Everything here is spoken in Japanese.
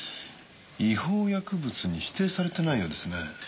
違法薬物に指定されてないようですね。